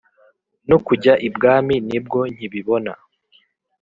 no kujya ibwami ni bwo nkibibona